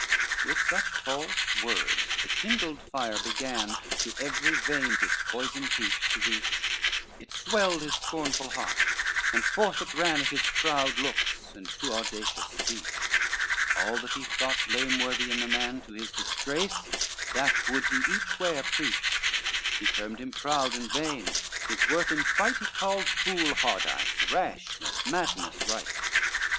XXIII With such false words the kindled fire began To every vein his poisoned heart to reach, It swelled his scornful heart, and forth it ran At his proud looks, and too audacious speech; All that he thought blameworthy in the man, To his disgrace that would be each where preach; He termed him proud and vain, his worth in fight He called fool hardise, rashness, madness right.